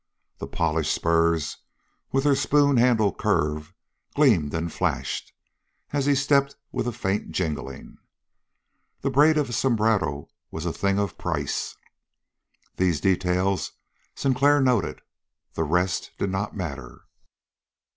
The polished spurs, with their spoon handle curve, gleamed and flashed, as he stepped with a faint jingling. The braid about his sombrero was a thing of price. These details Sinclair noted. The rest did not matter.